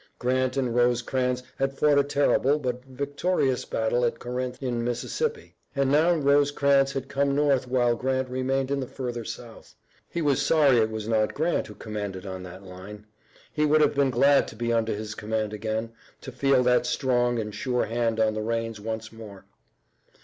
Grant and Rosecrans had fought a terrible but victorious battle at Corinth in Mississippi, and now Rosecrans had come north while Grant remained in the further south. He was sorry it was not Grant who commanded on that line. He would have been glad to be under his command again, to feel that strong and sure hand on the reins once more.